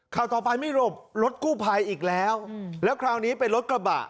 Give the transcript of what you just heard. ข่าวต่อไปไม่หลบรถกู้ภัยอีกแล้วแล้วคราวนี้เป็นรถกระบะ